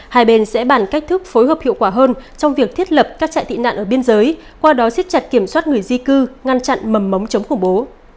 hai bên sẽ bàn cách thức phối hợp hiệu quả hơn trong việc thiết lập các trại tị nạn ở biên giới qua đó xích chặt kiểm soát người di cư ngăn chặn mầm mống chống khủng bố